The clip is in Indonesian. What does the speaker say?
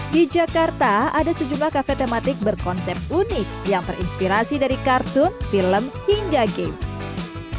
di jakarta ada sejumlah kafe tematik berkonsep unik yang terinspirasi dari kartun film hingga game